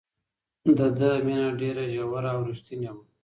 د ده مینه ډېره ژوره او رښتینې وه.